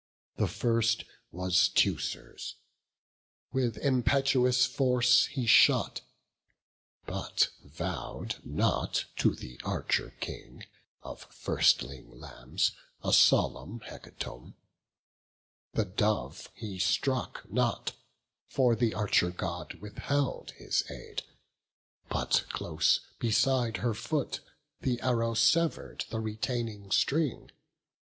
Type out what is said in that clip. The first was Teucer's; with impetuous force He shot; but vow'd not to the Archer King Of firstling lambs a solemn hecatomb. The dove he struck not, for the Archer God Withheld his aid; but close beside her foot The arrow sever'd the retaining string.